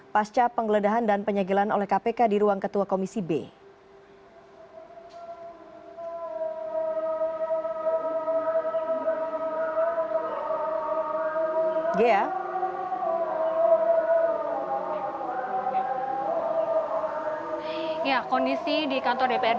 pasca penggeledahan dan penyegelan oleh kpk di ruang ketua komisi b